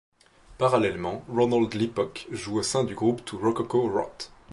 Parallèlement, Ronald Lippok joue au sein du groupe To Rococo Rot.